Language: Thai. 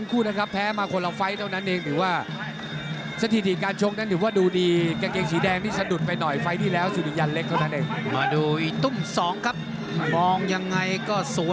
แข่งขวาจริงจัดจาดมาก